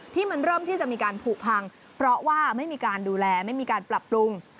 ที่มันเริ่มที่จะมีการผูกพังเพราะว่าไม่มีการดูแลไม่มีการปรับปรุง